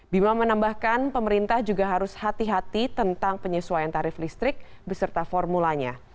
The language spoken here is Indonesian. bima menambahkan pemerintah juga harus hati hati tentang penyesuaian tarif listrik beserta formulanya